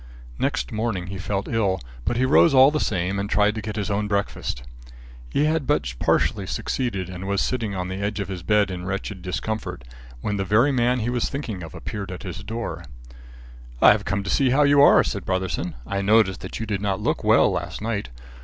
Next morning he felt ill, but he rose all the same, and tried to get his own breakfast. He had but partially succeeded and was sitting on the edge of his bed in wretched discomfort, when the very man he was thinking of appeared at his door. "I've come to see how you are," said Brotherson. "I noticed that you did not look well last night.